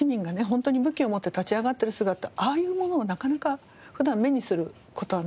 ホントに武器を持って立ち上がってる姿ああいうものはなかなか普段目にする事はないので。